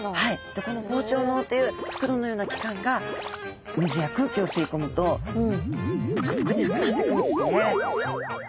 でこの膨張のうという袋のような器官が水や空気を吸い込むとぷくぷくに膨らんでいくんですね。